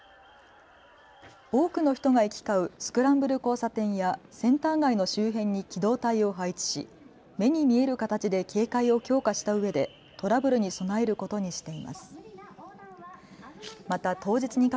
多くの人が行き交うスクランブル交差点やセンター街の周辺に機動隊を配置し目に見える形で警戒を強化したうえでトラブルに備えることにしています。